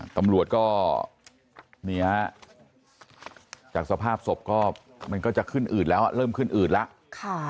ตำรวจก็นี่ฮะจากสภาพศพก็มันก็จะขึ้นอืดแล้วเริ่มขึ้นอืดแล้ว